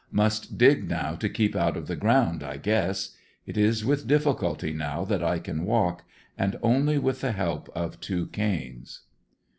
Must dig now to keep out of the ground, I guess. It is with difficulty now that I can walk, and only with the help of two canes.